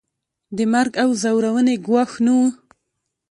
د مرګ او ځورونې ګواښ نه وو.